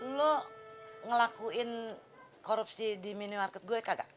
lo ngelakuin korupsi di minimarket gue kagak